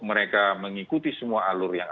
mereka mengikuti semua alur yang